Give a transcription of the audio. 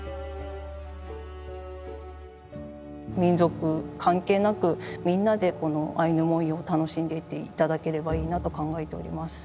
民族関係なくみんなでこのアイヌ文様を楽しんでいって頂ければいいなと考えております。